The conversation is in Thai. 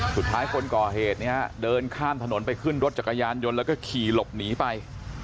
คนก่อเหตุเนี่ยเดินข้ามถนนไปขึ้นรถจักรยานยนต์แล้วก็ขี่หลบหนีไป